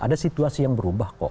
ada situasi yang berubah kok